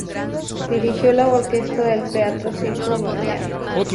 Dirigió la orquesta del Teatro Circo Balear.